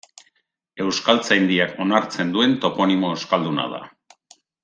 Euskaltzaindiak onartzen duen toponimo euskalduna da.